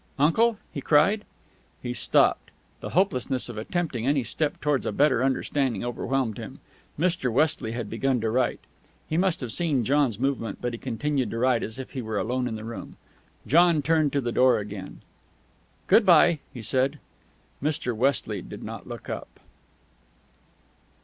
"Uncle " he cried. He stopped. The hopelessness of attempting any step towards a better understanding overwhelmed him. Mr. Westley had begun to write. He must have seen John's movement, but he continued to write as if he were alone in the room. John turned to the door again. "Good by," he said. Mr. Westley did not look up.